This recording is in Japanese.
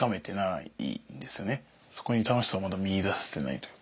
そこに楽しさをまだ見いだせてないというか。